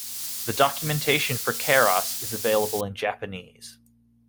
The documentation for Keras is available in Japanese.